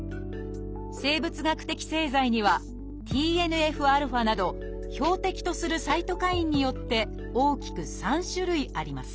生物学的製剤にはＴＮＦ−αなど標的とするサイトカインによって大きく３種類あります。